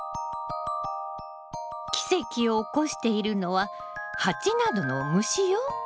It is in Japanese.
奇跡を起こしているのは蜂などの虫よ。